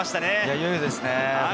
いよいよですね。